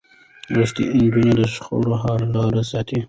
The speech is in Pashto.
لوستې نجونې د شخړو حل لارې ساتي.